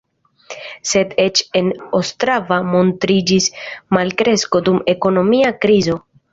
Sed eĉ en Ostrava montriĝis malkresko dum ekonomia krizo.